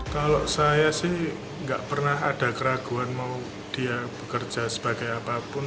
kalau saya sih nggak pernah ada keraguan mau dia bekerja sebagai apapun